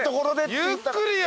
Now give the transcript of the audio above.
・ゆっくりよ。